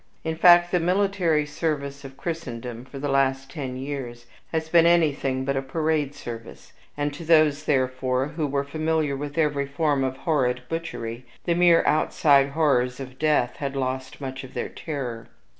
In fact, the military service of Christendom, for the last ten years, had been anything but a parade service; and to those, therefore, who were familiar with every form of horrid butchery, the mere outside horrors of death had lost much of their terror.